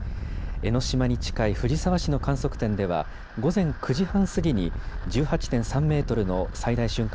江の島に近い藤沢市の観測点では午前９時半過ぎに１８．３メートルの最大瞬間